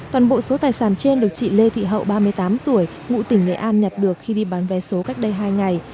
toàn bộ số tài sản trên được chị lê thị hậu ba mươi tám tuổi ngụ tỉnh nghệ an nhặt được khi đi bán vé số cách đây hai ngày